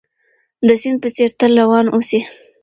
د سيند په څېر تل روان اوسئ.